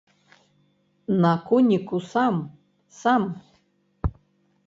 На коніку сам, сам.